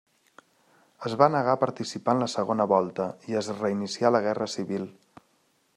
Es va negar a participar en la segona volta, i es reinicià la guerra civil.